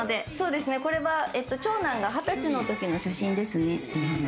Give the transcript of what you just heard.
これは長男が２０歳のときの写真ですね。